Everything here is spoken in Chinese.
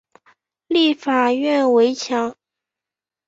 立法院围墙